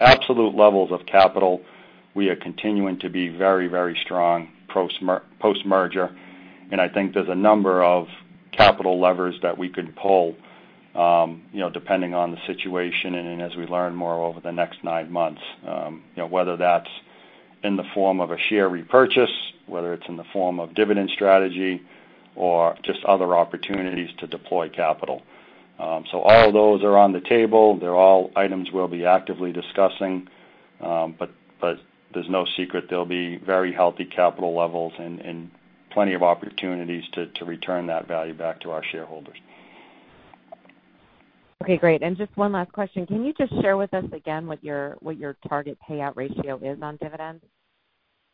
Absolute levels of capital, we are continuing to be very strong post-merger, and I think there's a number of capital levers that we could pull, depending on the situation and as we learn more over the next nine months. Whether that's in the form of a share repurchase, whether it's in the form of dividend strategy or just other opportunities to deploy capital. All those are on the table. They're all items we'll be actively discussing. There's no secret there'll be very healthy capital levels and plenty of opportunities to return that value back to our shareholders. Okay, great. Just one last question. Can you just share with us again what your target payout ratio is on dividends?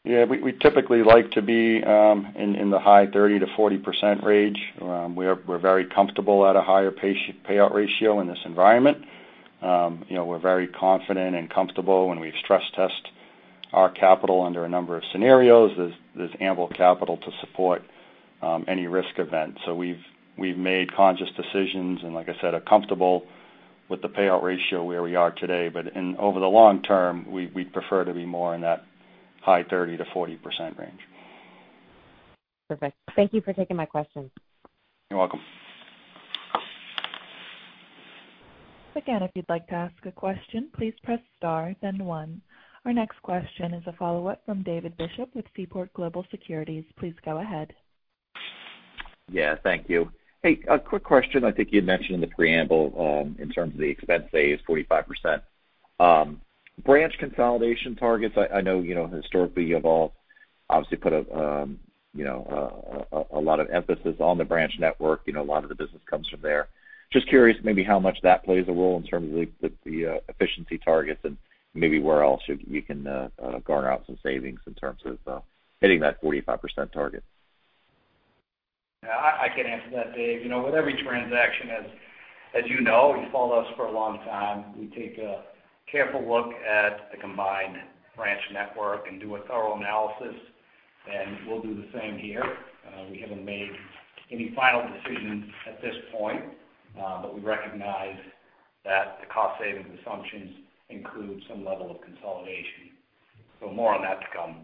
Yeah. We typically like to be in the high 30%-40% range. We're very comfortable at a higher payout ratio in this environment. We're very confident and comfortable when we've stress-tested our capital under a number of scenarios. There's ample capital to support any risk event. We've made conscious decisions, and like I said, are comfortable with the payout ratio where we are today. Over the long term, we'd prefer to be more in that high 30%-40% range. Perfect. Thank you for taking my question. You're welcome. Again, if you'd like to ask a question, please press star, then one. Our next question is a follow-up from David Bishop with Seaport Global Securities. Please go ahead. Yeah, thank you. Hey, a quick question. I think you had mentioned in the preamble in terms of the expense save, 45%. Branch consolidation targets. I know historically you have all obviously put a lot of emphasis on the branch network. A lot of the business comes from there. Just curious maybe how much that plays a role in terms of the efficiency targets and maybe where else you can garner out some savings in terms of hitting that 45% target. I can answer that, Dave. With every transaction, as you know, you've followed us for a long time, we take a careful look at the combined branch network and do a thorough analysis, and we'll do the same here. We haven't made any final decisions at this point. We recognize that the cost-saving assumptions include some level of consolidation. More on that to come.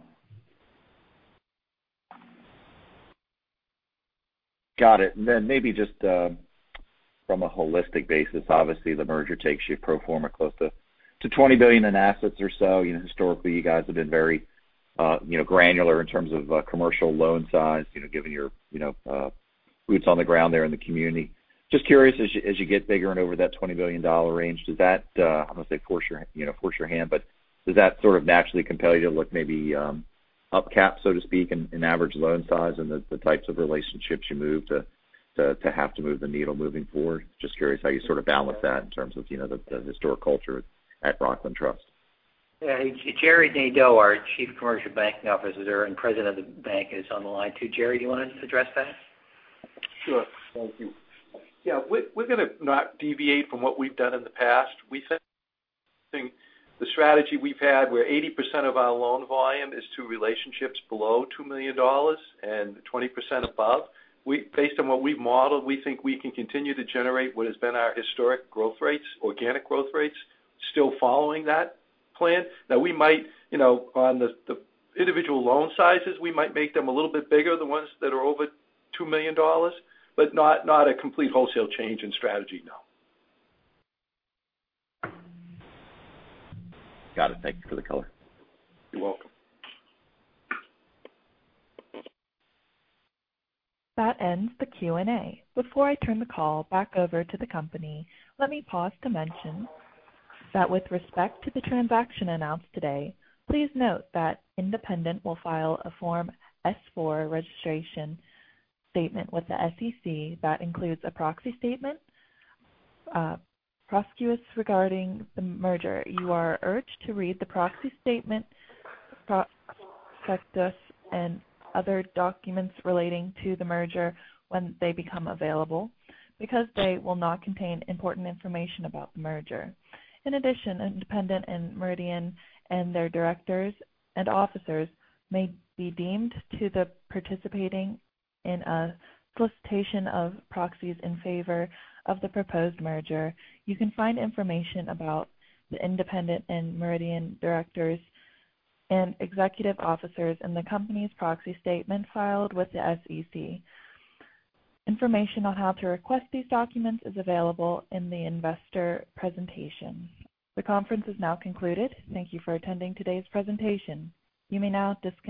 Got it. Maybe just from a holistic basis, obviously the merger takes you pro forma close to $20 billion in assets or so. Historically, you guys have been very granular in terms of commercial loan size, given your boots on the ground there in the community. Just curious, as you get bigger and over that $20 billion range, does that, I'm going to say force your hand, but does that sort of naturally compel you to look maybe up cap, so to speak, in average loan size and the types of relationships you move to have to move the needle moving forward? Just curious how you sort of balance that in terms of the historic culture at Rockland Trust. Yeah. Gerard Nadeau, our Chief Commercial Banking Officer and President of the bank, is on the line, too. Gerry, do you want to address that? Sure. Thank you. Yeah. We're going to not deviate from what we've done in the past. We think the strategy we've had, where 80% of our loan volume is to relationships below $2 million and 20% above. Based on what we've modeled, we think we can continue to generate what has been our historic growth rates, organic growth rates, still following that plan. Now we might, on the individual loan sizes, we might make them a little bit bigger, the ones that are over $2 million, but not a complete wholesale change in strategy, no. Got it. Thank you for the color. You're welcome. That ends the Q&A. Before I turn the call back over to the company, let me pause to mention that with respect to the transaction announced today, please note that Independent will file a Form S-4 registration statement with the SEC that includes a proxy statement prospectus regarding the merger. You are urged to read the proxy statement prospectus and other documents relating to the merger when they become available, because they will now contain important information about the merger. In addition, Independent and Meridian and their directors and officers may be deemed to the participating in a solicitation of proxies in favor of the proposed merger. You can find information about the Independent and Meridian directors and executive officers in the company's proxy statement filed with the SEC. Information on how to request these documents is available in the investor presentation. The conference is now concluded. Thank you for attending today's presentation. You may now disconnect.